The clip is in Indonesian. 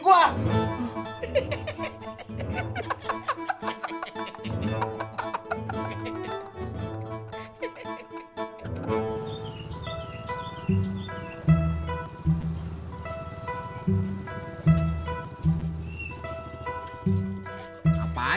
buat beli buang